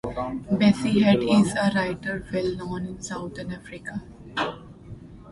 Bessie Head is a writer well known in Southern Africa.